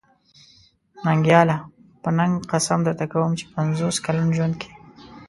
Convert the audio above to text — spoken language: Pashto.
ننګياله! په ننګ قسم درته کوم چې په پنځوس کلن ژوند کې.